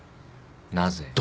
なぜ？